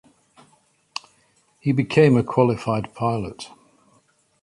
He became a qualified pilot.